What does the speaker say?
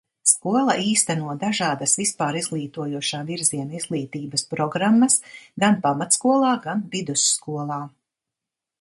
Skola īsteno dažādas vispārizglītojošā virziena izglītības programmas gan pamatskolā, gan vidusskolā.